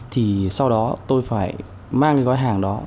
thì sau đó tôi phải mang cái gói hàng đó